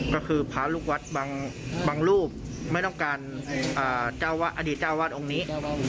ก็คือพระลูกวัดบางรูปไม่ต้องการอดีตเจ้าวาดองค์นี้